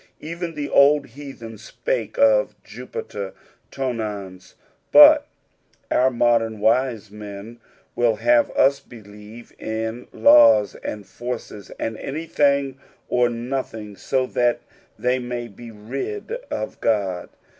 Even the old heathen spake of Jupiter Tonans ; but oar modprn wise men will have us believe in laws and forces, and anything or nothing so that they may be rid of Qod.